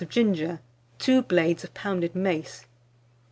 of ginger, 2 blades of pounded mace.